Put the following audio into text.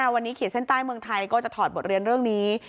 วันนี้ขีดเส้นใต้เมืองไทยก็จะถอดบทเรียนเรื่องนี้